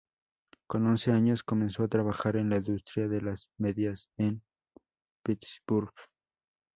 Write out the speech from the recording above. Con once años, comenzó a trabajar en la industria de las medias en Pittsburgh.